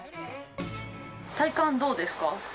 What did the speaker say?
体感どうですか？